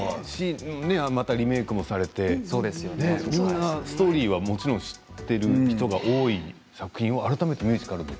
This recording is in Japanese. またリメークもされてみんなストーリーはもちろん知っている人が多い作品を改めてミュージカルに。